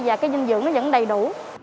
và cái dinh dưỡng nó vẫn đầy đủ